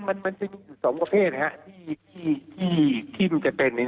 มันมันจะมีสองประเภทนะฮะที่ที่ที่มันจะเป็นเนี่ย